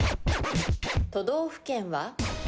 都道府県は？